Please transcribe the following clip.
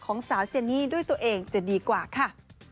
ของสาวเจนี่ด้วยตัวเองจะดีกว่าค่ะ